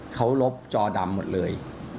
เขาลบจอดำหมดเลย